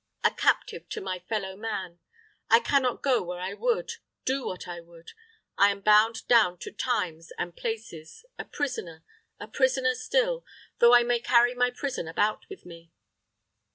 A captive to my fellowman I can not go where I would, do what I would. I am bound down to times and places a prisoner a prisoner still, though I may carry my prison about with me!'